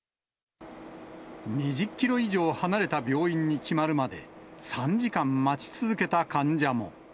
２０キロ以上離れた病院に決まるまで、３時間待ち続けた患者も。